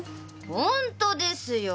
ホントですよ！